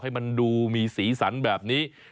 ให้มันดูมีสีสันแบบนี้